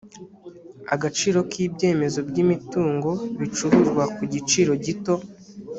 agaciro k ibyemezo by imitungo bicuruzwa ku giciro gito